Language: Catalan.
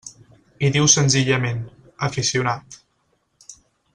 Hi diu senzillament: aficionat.